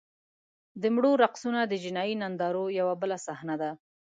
د مړو رقصونه د جنایي نندارو یوه بله صحنه ده.